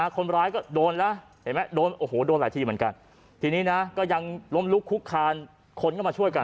คนร้ายก็โดนแล้วเห็นไหมโดนโอ้โหโดนหลายทีเหมือนกันทีนี้นะก็ยังล้มลุกคุกคานคนก็มาช่วยกัน